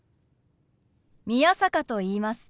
宮坂と言います。